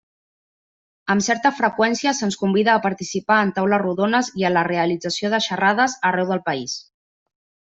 Amb certa freqüència se'ns convida a participar en taules rodones i en la realització de xerrades arreu del país.